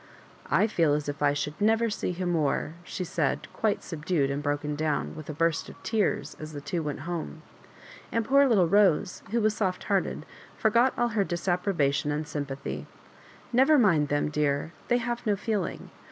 '' I feel as if I should never see him more," she said, quite sub dued and broken down, with a burst of tears, as the two went home ; and poor little Rose, who was soft hearted, forgot all her disapprobation in sympathy. *' Never mind them, dear ; they have no feeling.